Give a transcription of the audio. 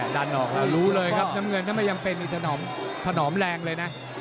ด้านนอกแล้วรู้เลยครับน้ำเงินถ้าไม่จำเป็นนี่ถนอมถนอมแรงเลยนะ